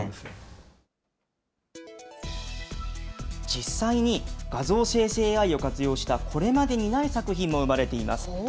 実際に画像生成ＡＩを活用した、これまでにない作品も生まれています。